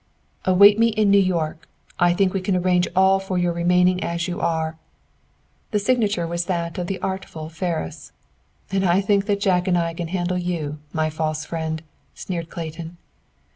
"Await me in New York. I think that we can arrange all for your remaining as you are." The signature was that of the artful Ferris. "And I think that Jack and I can handle you, my false friend!" sneered Clayton.